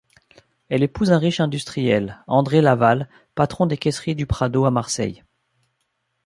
Elle épouse un riche industriel, André Laval, patron des Caisseries du Prado à Marseille.